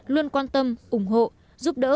luôn quan tâm ủng hộ giúp đỡ